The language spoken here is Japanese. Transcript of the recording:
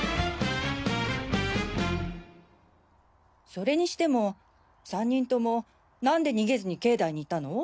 それにしても３人ともなんで逃げずに境内にいたの？